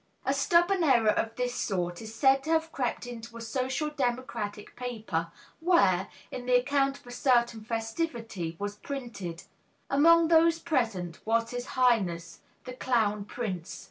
A stubborn error of this sort is said to have crept into a Social Democratic paper, where, in the account of a certain festivity was printed, "Among those present was His Highness, the Clown Prince."